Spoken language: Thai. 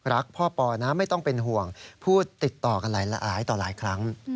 รักพ่อปอนะไม่ต้องเป็นห่วงพูดติดต่อกันหลายต่อหลายครั้ง